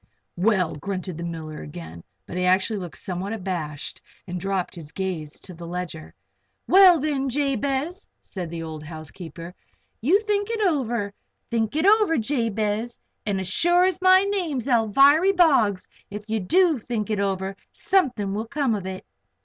"Well!" grunted the miller again, but he actually looked somewhat abashed and dropped his gaze to the ledger. "Well, then, Jabez Potter," said the old housekeeper, "you think it over think it over, Jabez. And as sure as my name's Alviry Boggs, if you do think it over, something will come of it!"